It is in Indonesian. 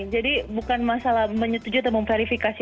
jadi bukan masalah menyetujui atau memverifikasi